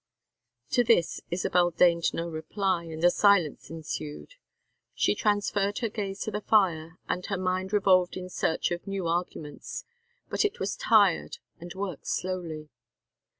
To this Isabel deigned no reply, and a silence ensued. She transferred her gaze to the fire, and her mind revolved in search of new arguments, but it was tired and worked slowly.